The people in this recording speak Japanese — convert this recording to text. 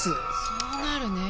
そうなるね。